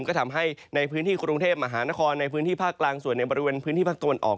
ก็ทำให้ในพื้นที่กรุงเทพมหานครในพื้นที่ภาคกลางส่วนในบริเวณพื้นที่ภาคตะวันออก